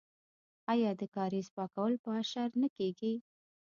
آیا د کاریز پاکول په اشر نه کیږي؟